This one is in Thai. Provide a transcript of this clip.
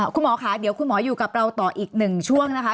คุณหมอค่ะเดี๋ยวคุณหมออยู่กับเราต่ออีกหนึ่งช่วงนะคะ